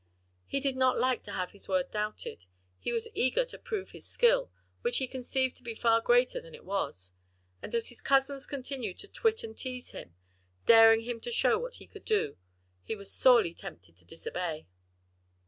He did not like to have his word doubted, he was eager to prove his skill, which he conceived to be far greater than it was, and as his cousins continued to twit and tease him, daring him to show what he could do, he was sorely tempted to disobey.